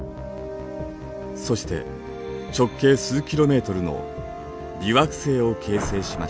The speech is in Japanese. そして直径数キロメートルの微惑星を形成しました。